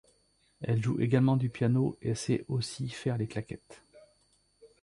Elle joue également du piano et sais aussi faire les claquettes.